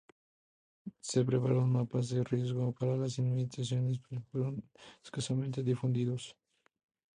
Se prepararon mapas de riesgo para las inmediaciones pero fueron escasamente difundidos.